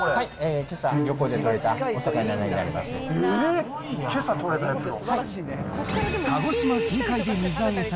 けさ、漁港で取れたお魚になります。